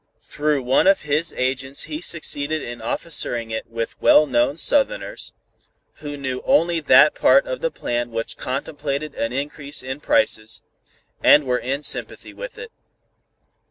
Through one of his agents he succeeded in officering it with well known Southerners, who knew only that part of the plan which contemplated an increase in prices, and were in sympathy with it.